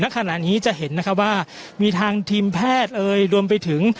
ขณะนี้จะเห็นนะคะว่ามีทางทีมแพทย์เอ่ยรวมไปถึง